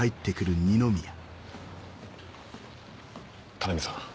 ・田波さん